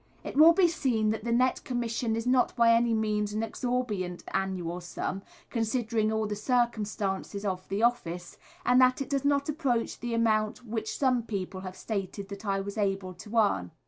It will be seen that the net commission is not by any means an exorbitant annual sum, considering all the circumstances of the office; and that it does not approach the amount which some people have stated that I was able to earn.